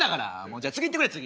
じゃあもう次いってくれ次。